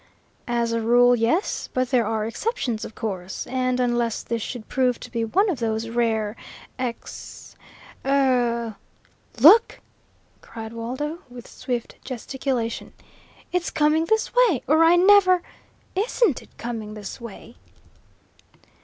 "As a rule, yes; but there are exceptions, of course. And unless this should prove to be one of those rare ex er " "Look!" cried Waldo, with swift gesticulation. "It's coming this way, or I never ISN'T it coming this way?"